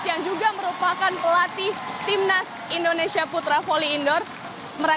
yang juga merupakan pelatih timnas indonesia putra volley indoor